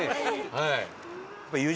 はい。